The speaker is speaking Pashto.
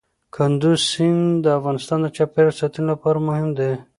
کندز سیند د افغانستان د چاپیریال ساتنې لپاره مهم دي.